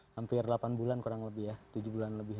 hampir delapan bulan kurang lebih ya tujuh bulan lebih